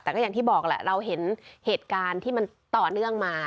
แต่ก็อย่างที่บอกแหละเราเห็นเหตุการณ์ที่มันต่อเนื่องมา